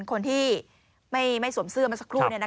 คนที่ไม่สวมเสื้อมาสักครู่